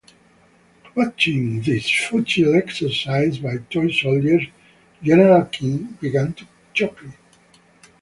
Watching this futile exercise by toy soldiers, General King began to chuckle.